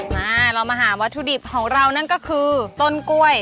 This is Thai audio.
มาเรามาหาวัตถุดิบของเรานั่นก็คือต้นกล้วย